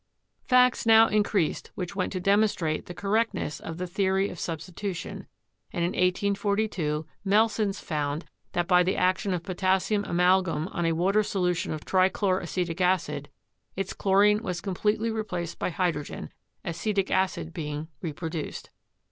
Facts now increased which went to demonstrate the cor rectness of the theory of substitution, and in 1842 Mel sens found that by the action of potassium amalgam on a water solution of trichloracetic acid, its chlorine was com pletely replaced by hydrogen, acetic acid being repro duced.